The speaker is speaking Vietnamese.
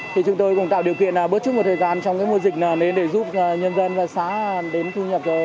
thì chúng tôi cũng tạo điều kiện bớt chút một thời gian trong mùa dịch đến để giúp nhân dân và xã đến thu nhập